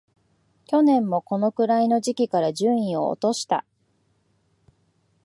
去年もこのくらいの時期から順位を落とした